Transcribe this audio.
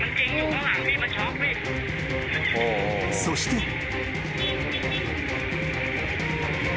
［そして］